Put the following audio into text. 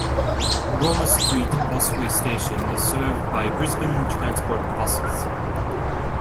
Roma Street busway station is served by Brisbane Transport buses.